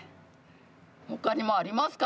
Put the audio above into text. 他にもありますか？